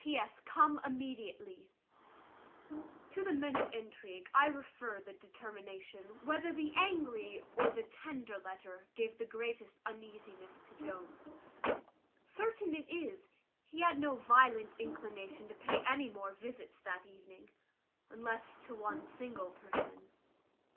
"P.S. Come immediately." To the men of intrigue I refer the determination, whether the angry or the tender letter gave the greatest uneasiness to Jones. Certain it is, he had no violent inclination to pay any more visits that evening, unless to one single person.